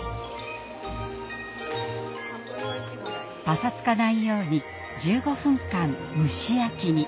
パサつかないように１５分間蒸し焼きに。